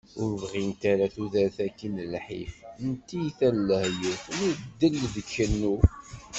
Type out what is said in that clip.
Ur bɣint ara tudert-aki n lḥif, n tyita, n lahyuf, n ddel d kennu.